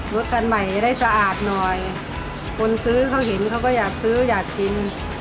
รถคันใหม่ได้สะอาดหน่อยคนซื้อเขาเห็นเขาก็อยากซื้ออยากกิน